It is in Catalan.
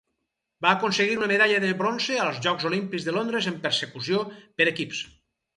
Va aconseguir una medalla de bronze als Jocs Olímpics de Londres en Persecució per equips.